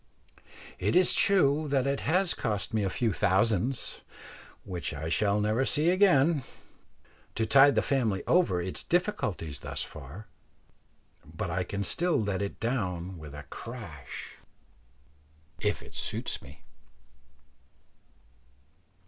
It is true it has cost me a few thousands, which I shall never see again, to tide the family over its difficulties thus far, but I can still let it down with a crash if it suits me.